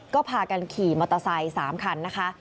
ก็พากันขี่มอเตอร์ไซค์๓คันนะคะ